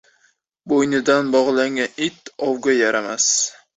Bo'ynidan bog'langan it ovga yaramas.